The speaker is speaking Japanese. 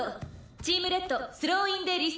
「チームレッドスローインでリスタート」